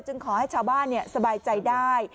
ขอให้ชาวบ้านสบายใจได้